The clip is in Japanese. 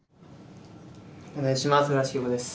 お願いします。